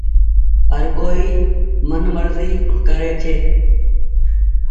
هر ڪوئي من مزي ڪري ڇي۔